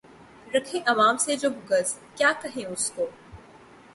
رکھے امام سے جو بغض، کیا کہیں اُس کو؟